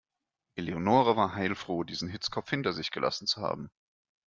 Eleonore war heilfroh, diesen Hitzkopf hinter sich gelassen zu haben.